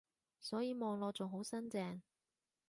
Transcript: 所以望落仲好新淨